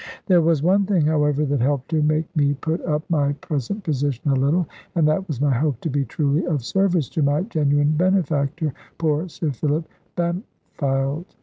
There was one thing, however, that helped to make me put up with my present position a little, and that was my hope to be truly of service to my genuine benefactor, poor Sir Philip Bampfylde.